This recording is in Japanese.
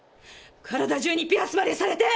体中にピアスまでされて！